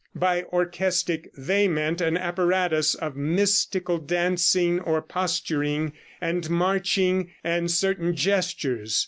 By orchestic they meant an apparatus of mystical dancing or posturing and marching and certain gestures.